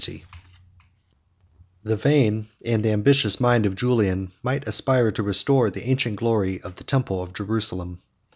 ] The vain and ambitious mind of Julian might aspire to restore the ancient glory of the temple of Jerusalem.